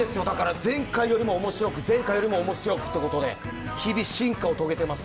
前回よりも面白く、前回よりも面白くということで日々進化を遂げています。